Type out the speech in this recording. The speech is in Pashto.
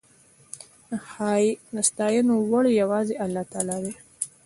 د ستاينو وړ يواځې الله تعالی دی